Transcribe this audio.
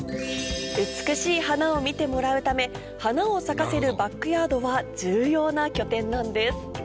美しい花を見てもらうため花を咲かせるバックヤードは重要な拠点なんです